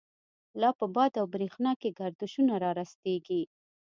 لا په باد او برَښنا کی، گردشونه را رستیږی